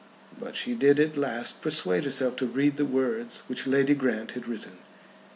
But she did at last persuade herself to read the words which Lady Grant had written.